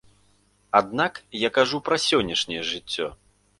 Аднак я кажу пра сённяшняе жыццё.